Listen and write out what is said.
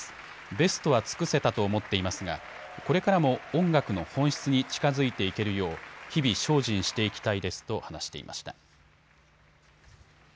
ベストは尽くせたと思っていますがこれからも音楽の本質に近づいていけるよう日々精進していきたいですと話していました。